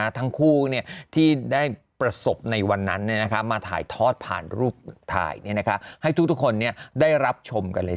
ทั้งคู่ที่ได้ประสบในวันนั้นมาถ่ายทอดผ่านรูปถ่ายให้ทุกคนได้รับชมกันเลย